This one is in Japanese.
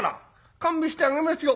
勘弁してあげますよ」。